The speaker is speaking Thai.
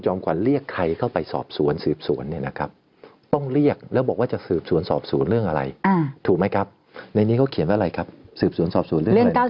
ตามมาตรา๙๘วงเล็บ๓ที่บอกเพราะฉะนั้นก็คือเรื่องวิลักษณ์